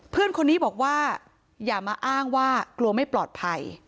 เพื่อนคนนี้บอกว่าอย่ามาอ้างว่ากลัวไม่ปลอดภัย